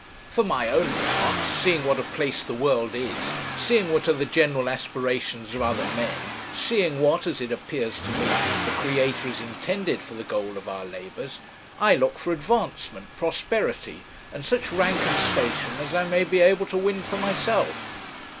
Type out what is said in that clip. For my own part, seeing what a place the world is, seeing what are the general aspirations of other men, seeing what, as it appears to me, the Creator has intended for the goal of our labours, I look for advancement, prosperity, and such rank and station as I may be able to win for myself.